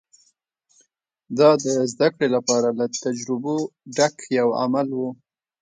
دا د زدهکړې لپاره له تجربو ډک یو عمل و